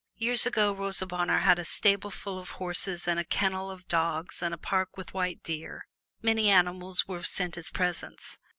Years ago Rosa Bonheur had a stableful of horses and a kennel of dogs and a park with deer. Many animals were sent as presents.